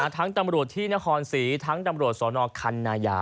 ตำรวจที่นครศรีทั้งตำรวจสนคันนายา